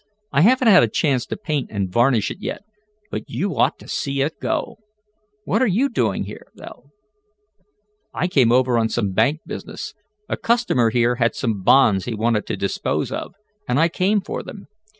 I haven't had a chance to paint and varnish it yet. But you ought to see it go. What are doing here, though?" "I came over on some bank business. A customer here had some bonds he wanted to dispose of and I came for them.